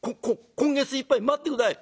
今いっとき待って下さい」。